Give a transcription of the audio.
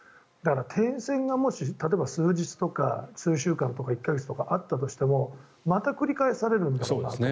だから、停戦が例えば数日とか数週間とか１か月とかあったとしてもまた繰り返されるんだと。